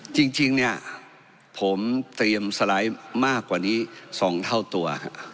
จริงเนี่ยผมเตรียมสไลด์มากกว่านี้๒เท่าตัว